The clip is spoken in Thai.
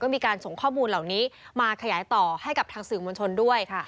มีการส่งข้อมูลเหล่านี้มาขยายต่อให้กับทางสื่อมวลชนด้วยค่ะ